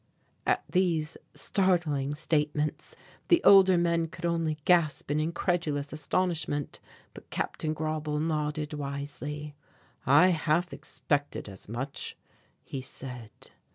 At these startling statements the older men could only gasp in incredulous astonishment, but Captain Grauble nodded wisely "I half expected as much," he said.